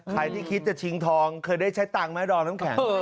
ใครที่คิดจะชิงทองเคยได้ใช้ตังค์ไหมดอมน้ำแข็ง